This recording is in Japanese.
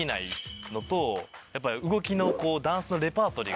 やっぱり動きの。